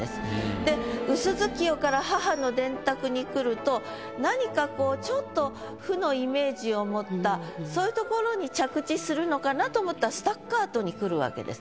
で「薄月夜」から「母の電卓」にくると何かこうちょっと持ったそういうところに着地するのかなと思ったら「スタッカート」にくるわけです。